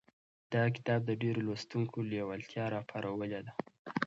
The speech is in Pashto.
دا کتاب د ډېرو لوستونکو لېوالتیا راپارولې ده.